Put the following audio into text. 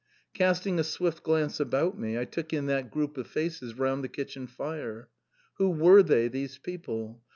Casting a swift glance about me, I took in that group of faces round the kitchen fire. Who were they, these people?